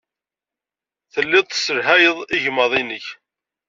Telliḍ tesselhayeḍ igmaḍ-nnek.